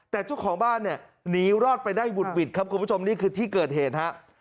แต่เจ้าของบ้านเนี่ยหนีรอดไปได้หุดหวิดครับคุณผู้ชมนี่คือที่เกิดเหตุฮะ